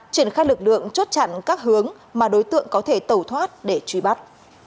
chuyển khách lực lượng chốt chặn các hướng mà đối tượng có thể tẩu thoát để truy bắt